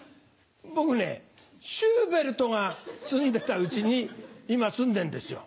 僕ねシューベルトが住んでた家に今住んでんですよ。